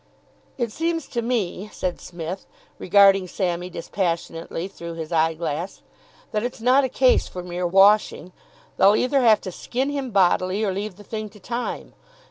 "It seems to me," said Psmith, regarding Sammy dispassionately through his eyeglass, "that it's not a case for mere washing. They'll either have to skin him bodily, or leave the thing to time.